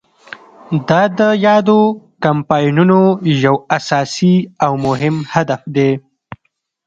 دا د یادو کمپاینونو یو اساسي او مهم هدف دی.